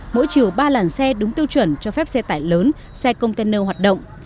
mỗi chiều ba làn xe đúng tiêu chuẩn cho phép xe tải lớn xe container hoạt động